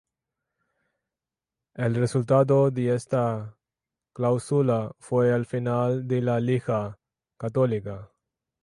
El resultado de esta cláusula fue el final de la Liga Católica.